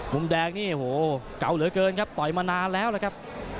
มุมแดงนี่โอ้โหเก่าเหลือเกินครับต่อยมานานแล้วนะครับ